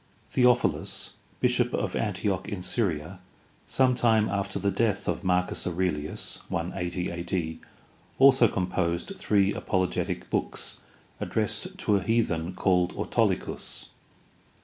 Theophilus, bishop of Antioch in Syria, some time after the death of Marcus Aurelius (180 a.d.) also composed three apologetic books addressed to a heathen called Autolycus.